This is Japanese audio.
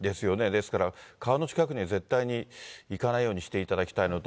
ですから、川の近くには絶対に行かないようにしていただきたいのと。